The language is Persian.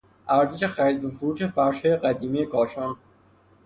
ارزش خرید و فروش فرشهای قدیمی کاشان